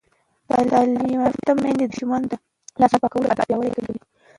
تعلیم یافته میندې د ماشومانو د لاسونو پاکولو عادت پیاوړی کوي.